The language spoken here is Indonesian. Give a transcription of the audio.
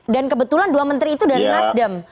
dan kebetulan dua menteri itu dari nasdem